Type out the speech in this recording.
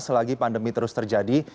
selagi pandemi terus terjadi